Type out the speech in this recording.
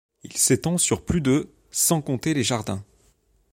Il s'étend sur plus de sans compter les jardins.